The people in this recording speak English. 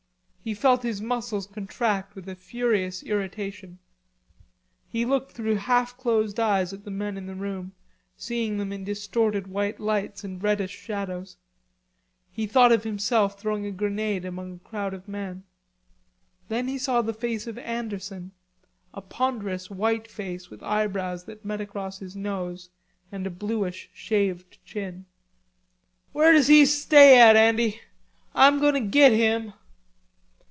He felt his muscles contract with a furious irritation. He looked through half closed eyes at the men in the room, seeing them in distorted white lights and reddish shadows. He thought of himself throwing a grenade among a crowd of men. Then he saw the face of Anderson, a ponderous white face with eyebrows that met across his nose and a bluish, shaved chin. "Where does he stay at, Andy? I'm going to git him."